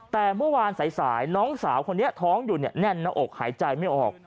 แต่เมื่อวานสายน้องสาวคนนี้ท้องอยู่เนี่ยแน่นหน้าอกหายใจไม่ออก